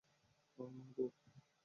ওহ মামা গো!